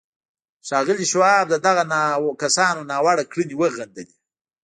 ښاغلي شواب د دغو کسانو دا ناوړه کړنې وغندلې.